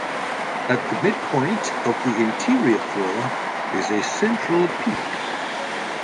At the midpoint of the interior floor is a central peak.